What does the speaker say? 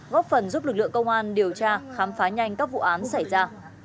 góp phần giúp lực lượng công an điều tra khám phá nhanh các vụ án xảy ra